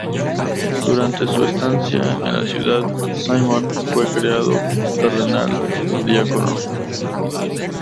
Durante su estancia en la ciudad, Simon fue creado cardenal diácono.